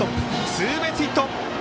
ツーベースヒット。